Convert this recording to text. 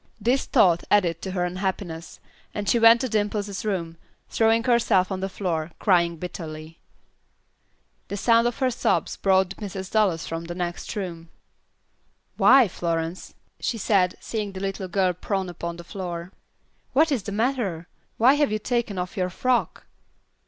This thought added to her unhappiness, and she went to Dimple's room, throwing herself on the floor, crying bitterly. The sound of her sobs brought Mrs. Dallas from the next room. "Why, Florence," she said, seeing the little girl prone upon the floor. "What is the matter? Why have you taken off your frock?"